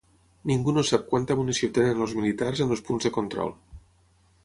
Ningú no sap quanta munició tenen els militars en els punts de control.